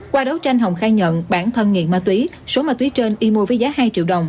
qua đấu tranh hồng khai nhận bản thân nghiện ma túy số ma túy trên y mua với giá hai triệu đồng